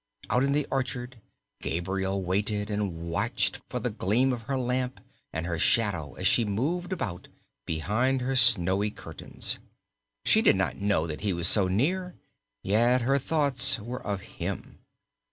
Out in the orchard Gabriel waited and watched for the gleam of her lamp and her shadow as she moved about behind her snowy curtains. She did not know that he was so near, yet her thoughts were of him.